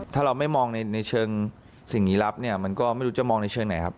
ถ้าเราไม่มองในเชิงสิ่งลี้ลับเนี่ยมันก็ไม่รู้จะมองในเชิงไหนครับ